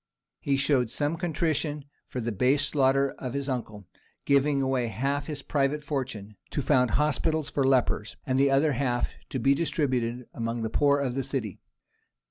He showed some contrition for the base slaughter of his uncle, giving away half his private fortune to found hospitals for lepers, and the other half to be distributed among the poor of the city.